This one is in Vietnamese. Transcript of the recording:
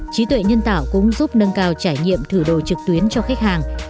trí tuệ nhân tạo cũng giúp nâng cao trải nghiệm thử đồ trực tuyến cho khách hàng